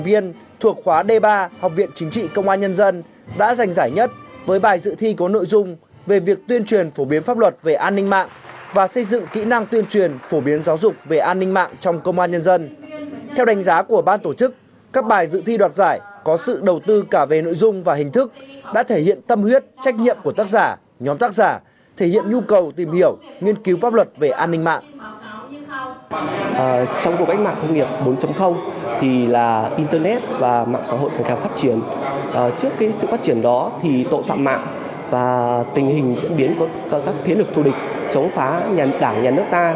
internet và mạng xã hội càng càng phát triển trước sự phát triển đó thì tội phạm mạng và tình hình diễn biến của các thế lực thù địch chống phá đảng nhà nước ta